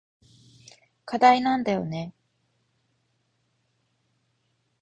課題なんだよね。